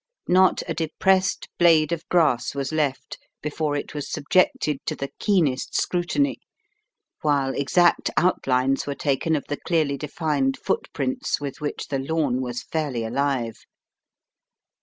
Not a depressed blade of grass was left before it was subjected to the keenest scrutiny, while exact outlines were taken of the clearly defined footprints, with which the lawn was fairly alive.